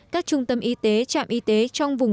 các trung tâm y tế trạm y tế trong vùng